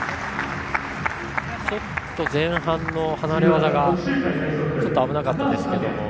前半の離れ技がちょっと危なかったですけど。